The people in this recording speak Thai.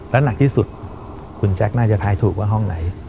และหนักที่สุดคุณแจ๊คน่าจะท้ายถูกว่าห้องไหน